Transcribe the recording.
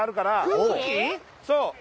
そう。